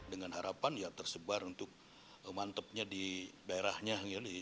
dengan harapan ya tersebar untuk mantepnya di daerahnya